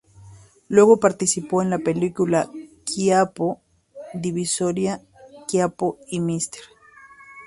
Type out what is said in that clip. Luego participó en la película Quiapo, Divisoria...Quiapo... y Mr.